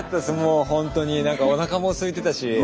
何かおなかもすいてたし。